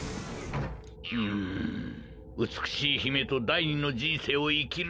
うんうつくしいひめとだい２のじんせいをいきるのじゃ。